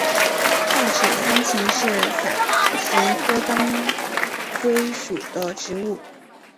大齿山芹是伞形科当归属的植物。